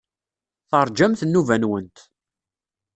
Teṛjamt nnuba-nwent.